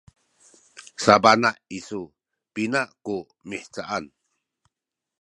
sabana isu pina ku mihcaan?